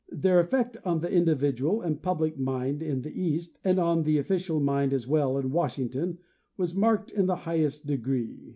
Their effect on the individual and public mind in the east, and on the official mind as well in Wash ington, was marked in the highest degree.